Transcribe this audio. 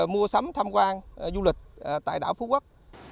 mua sắm tham quan du lịch tại đảo phú quốc